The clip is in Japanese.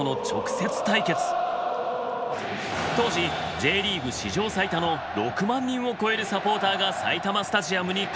当時Ｊリーグ史上最多の６万人を超えるサポーターが埼玉スタジアムに駆けつけた。